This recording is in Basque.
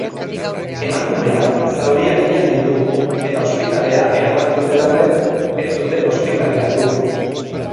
Emakumeak zauri arinak ditu eta ospitalera eraman zuten arren, ez zuten ospitaleratu.